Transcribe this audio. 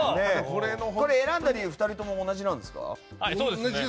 これを選んだ理由２人とも同じなんですか？